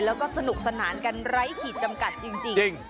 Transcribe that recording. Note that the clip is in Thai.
แล้วก็สนุกสนานกันไร้ขีดจำกัดจริง